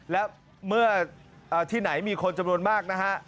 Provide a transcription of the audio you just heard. และเมื่อที่ไหนมีคนจำนวนมากนะฮะ